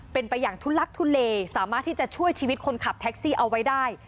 เป็นไปอย่างทุลักทุเลสามารถที่จะช่วยชีวิตคนขับแท็กซี่เอาไว้ได้